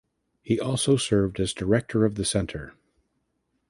He also served as director of the Center.